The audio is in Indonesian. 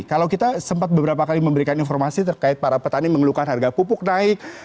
kalau kita sempat beberapa kali memberikan informasi terkait para petani mengeluhkan harga pupuk naik